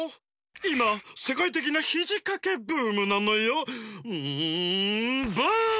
いませかいてきなひじかけブームなのよ。んブーム！